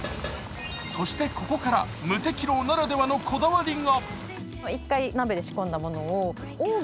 そしてここから霧笛楼ならではのこだわりが。